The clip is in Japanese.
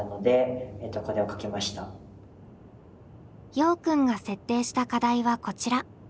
ようくんが設定した課題はこちら。